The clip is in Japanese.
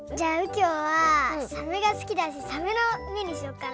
きょうはサメがすきだしサメのめにしようかな。